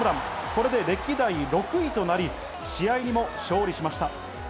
これで歴代６位となり、試合にも勝利しました。